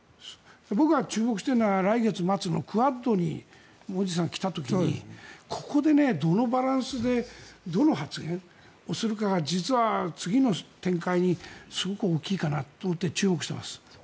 僕が注目しているのは来月末のクアッドにモディさんが来た時にここでどのバランスでどの発言をするかが実は次の展開にすごく大きいかなと思って注目しています。